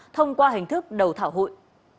thông qua hình thức đầu thảo hội